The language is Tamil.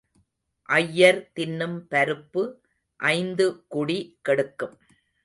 ஐயர் தின்னும் பருப்பு ஐந்து குடி கெடுக்கும்.